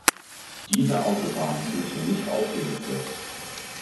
Diese Autobahnen sind hier nicht aufgelistet.